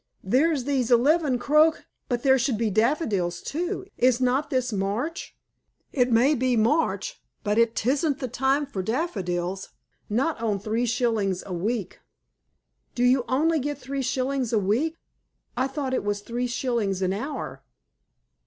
"There's these eleven croc " "But there should be daffodils, too. Is not this March?" "It may be March, but 'tisn't the time for daffodils not on three shillings a week." "Do you only get three shillings a week? I thought it was three shillings an hour."